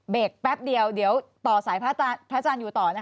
แป๊บเดียวเดี๋ยวต่อสายพระอาจารย์อยู่ต่อนะคะ